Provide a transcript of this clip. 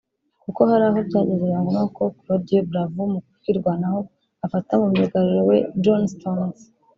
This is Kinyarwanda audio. Kuko hari aho byageze biba ngombwa ko Claudio Bravo mu kwirwanaho afata myugariro we Jone Stones